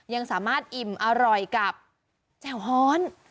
ยังสามารถอิ่มอร่อยกับแจ่วฮ้อน